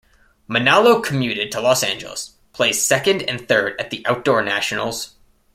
Manalo commuted to Los Angeles, placed second and third at the Outdoor Nationals.